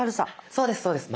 そうですそうです。